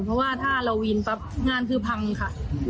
เพราะว่าถ้าเราวินปั๊บงานคือพังค่ะ